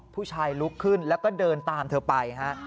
ผู้ชายลุกขึ้นแล้วก็เดินตามเธอไป